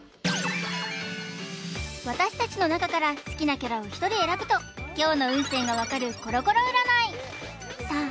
私たちのなかから好きなキャラを１人選ぶと今日の運勢がわかるコロコロ占いさあ